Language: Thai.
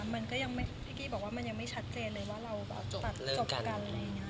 มันก็ยังไม่พี่กี้บอกว่ามันยังไม่ชัดเจนเลยว่าเราแบบจบกัน